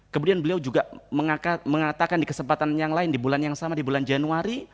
kemudian beliau juga mengatakan di kesempatan yang lain di bulan yang sama di bulan januari